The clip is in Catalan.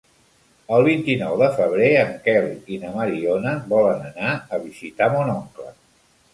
El vint-i-nou de febrer en Quel i na Mariona volen anar a visitar mon oncle.